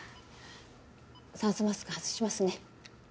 酸素マスク外しますね。